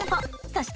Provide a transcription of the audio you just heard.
そして。